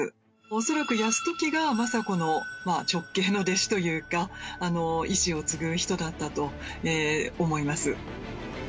恐らく泰時が政子の直系の弟子というか意思を継ぐ人だったと思います。